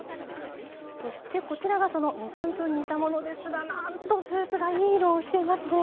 そしてこちらがその２３分煮たものですがなんとスープがいい色をしていますね。